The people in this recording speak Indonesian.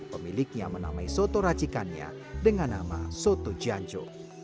pemiliknya menamai soto racikannya dengan nama soto janju